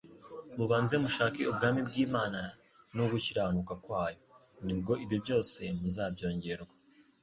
Mubanze mushake ubwami bw'Imana, no gukiranuka kwayo; ni bwo ibyo byose muzabyongerwa.